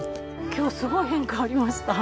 今日すごく変化ありました。